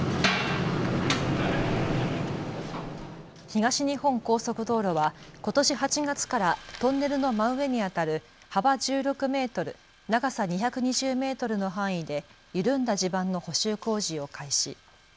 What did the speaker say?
東日本高速道路はことし８月からトンネルの真上にあたる幅１６メートル長さ２２０メートルの範囲で緩んだ地盤の補修工事を開始。